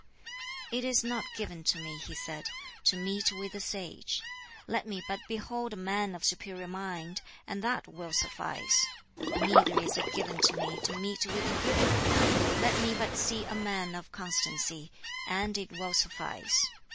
"It is not given to me," he said, "to meet with a sage; let me but behold a man of superior mind, and that will suffice. Neither is it given to me to meet with a good man; let me but see a man of constancy, and it will suffice.